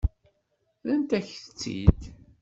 Rrant-ak-tt-id.